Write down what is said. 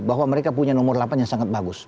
bahwa mereka punya nomor delapan yang sangat bagus